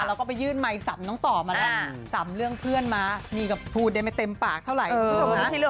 เราก็ไปยื่นไมค์สำน้องต่อมาแล้วสำเรื่องเพื่อนมาหนีกับพูดได้ไม่เต็มปากเท่าไหร่